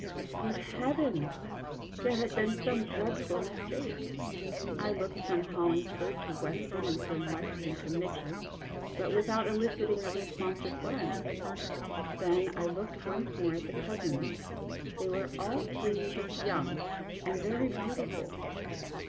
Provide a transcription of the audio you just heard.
Good heavens ! there had been some dread ful mistake. I looked from Hollingsford to Weston and from Weston to Mitchell, but without eliciting a responsive glance. Then I looked once more at the cousins ; they were all three young and very beautiful.